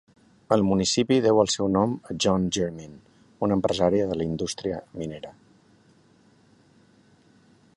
El municipi deu el seu nom a John Jermyn, un empresari de la indústria minera.